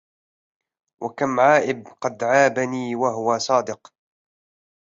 وكم عائب قد عابني وهو صادق